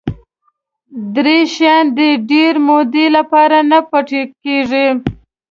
درې شیان د ډېرې مودې لپاره نه پټ کېږي.